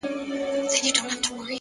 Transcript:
هوډ د ماتې احساس کمزوری کوي!.